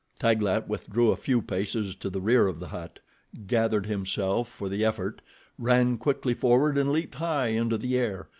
Taglat withdrew a few paces to the rear of the hut, gathered himself for the effort, ran quickly forward and leaped high into the air.